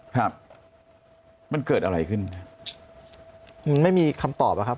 ครับมันเกิดอะไรขึ้นมันไม่มีคำตอบอะครับ